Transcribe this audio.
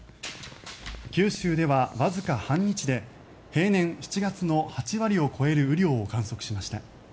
九州ではわずか半日で平年７月の８割を超える雨量を観測しました。